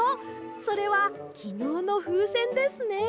それはきのうのふうせんですね。